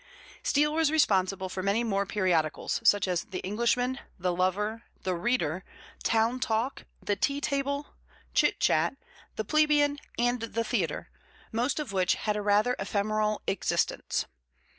Steele was responsible for many more periodicals, such as the Englishman, the Lover, the Reader, Town Talk, the Tea Table, Chit Chat, the Plebeian, and the Theatre, most of which had a rather ephemeral existence.